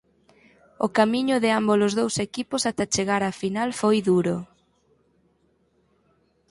O camiño de ámbolos dous equipos ata chegar á final foi duro.